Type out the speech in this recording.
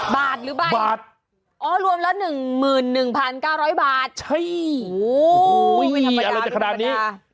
บาทหรือใบบาทอ๋อรวมแล้วหนึ่งหมื่นหนึ่งพันเก้าร้อยบาทใช่โอ้โหอุ้ยอร่อยจากขนาดนี้